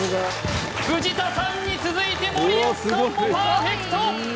藤田さんに続いて森安さんもパーフェクト！